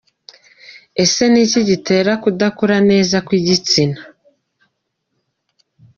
Ese ni iki gitera kudakura neza kw’igitsina ?.